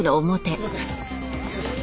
すいません。